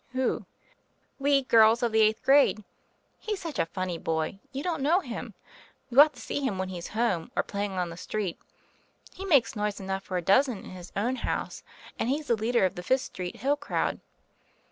"Who?" "We girls of the eighth grade. He's such a funnv boy; you don't know him. You ought to see nim when he's home, or playing on the street. He makes noise enough for a dozen in his own house, and he's the leader of the Fifth Street hill crowd."